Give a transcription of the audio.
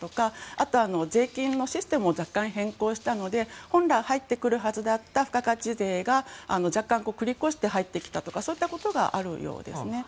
あとは税金のシステムを若干変更したので本来入ってくるはずだった付加価値税が若干繰り越して入ってきたとかそういったことがあるようです。